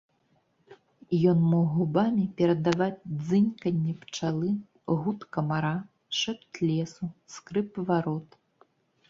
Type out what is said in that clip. Ён мог губамі перадаваць дзынканне пчалы, гуд камара, шэпт лесу, скрып варот.